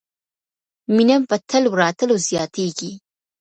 مینه په تلو راتلو زیاتیږي.